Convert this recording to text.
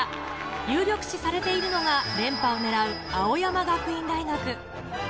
有力視されているのが、連覇を狙う青山学院大学。